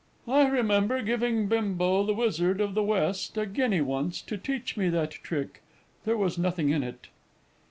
I remember giving Bimbo, the Wizard of the West, a guinea once to teach me that trick there was nothing in it.